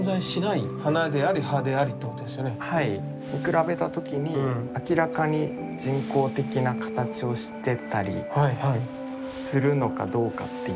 見比べた時に明らかに人工的な形をしてたりするのかどうかっていう。